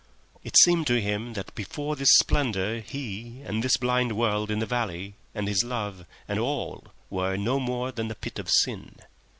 . It seemed to him that before this splendour he and this blind world in the valley, and his love and all, were no more than a pit of sin.